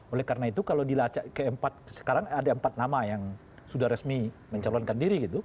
oleh karena itu kalau dilacak sekarang ada empat nama yang sudah resmi mencalonkan diri gitu